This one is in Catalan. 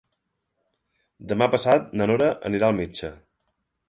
Demà passat na Nora anirà al metge.